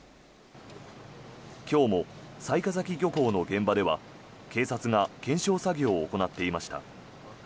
今日も雑賀崎漁港の現場では警察が検証作業を行っていました。